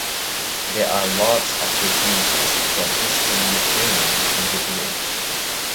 There are lots of refugees from eastern Ukraine in the village.